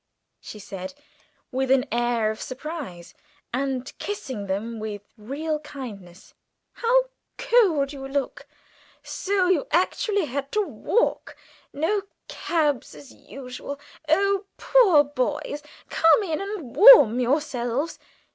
she said, with an air of surprise, and kissing them with real kindness. "How cold you look! So you actually had to walk. No cabs as usual. You poor boys! come in and warm yourselves.